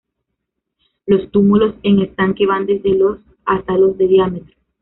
Los túmulos en estanque van desde los hasta los de diámetro.